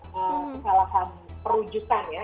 kesalahan perujukan ya